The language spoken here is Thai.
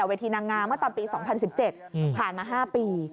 เวทีนางงามเมื่อตอนปี๒๐๑๗ผ่านมา๕ปี